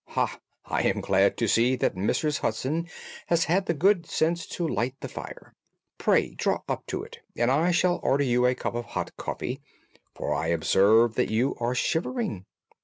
Ha! I am glad to see that Mrs. Hudson has had the good sense to light the fire. Pray draw up to it, and I shall order you a cup of hot coffee, for I observe that you are shivering."